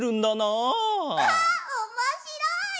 あっおもしろい！